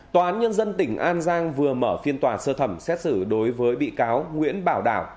tòa án nhân dân tỉnh an giang vừa mở phiên tòa sơ thẩm xét xử đối với bị cáo nguyễn bảo đảo